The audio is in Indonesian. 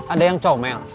ada yang comel